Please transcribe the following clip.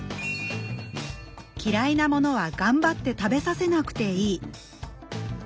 嫌いなものは頑張って食べさせなくていい。